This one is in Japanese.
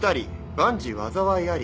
万事災いあり。